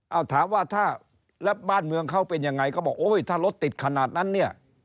เอาถามว่าถ้าแล้วบ้านเมืองเขาเป็นยังไงก็บอกโอ้ยถ้ารถติดขนาดนั้นเนี่ย